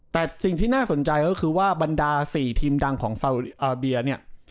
แต่สิ่งที่น่าสนใจก็คือว่าบรรดา๔ทีมดังของสาวอาเบียเนี่ย